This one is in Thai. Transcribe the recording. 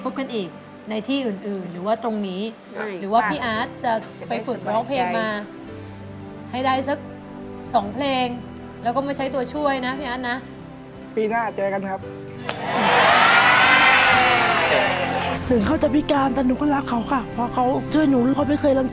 ขอบคุณแทนเย็นตุ๋มด้วยที่ได้เงินตุ๋มก็ดีใจนะได้ตังค์